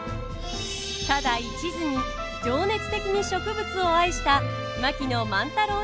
ただいちずに情熱的に植物を愛した是非ご覧ください！